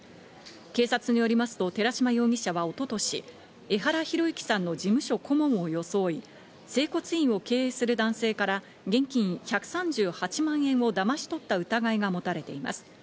警察によりますと、寺島容疑者は一昨年、江原啓之さんの事務所顧問を装い、整骨院を経営する男性から現金１３８万円をだまし取った疑いがもたれています。